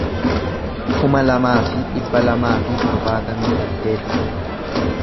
kuma lamaa fi dhibba lamaa fi torbaatamii saddeet